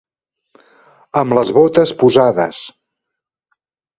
Amb les botes posades.